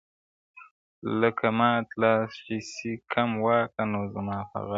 لکه مات لاس چي سي کم واکه نو زما په غاړه ,